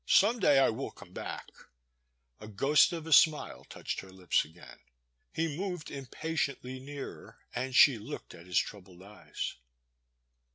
Some day I will come back '* A ghost of a smile touched her lips again. He moved impatiently nearer, and she looked at his troubled eyes.